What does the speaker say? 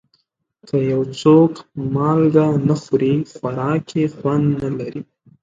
که یو څوک مالګه نه خوري، خوراک یې خوند نه لري.